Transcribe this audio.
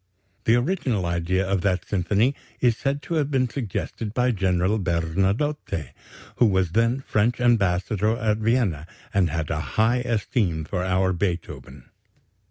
The original idea of that symphony is said to have been suggested by General Bernadotte, who was then French ambassador at Vienna, and had a high esteem for our Beethoven....